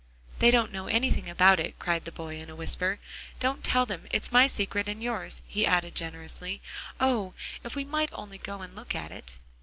"They don't know anything about it," cried the boy in a whisper, "don't tell them. It's my secret, and yours," he added generously. "Oh! if we might only go and look at it."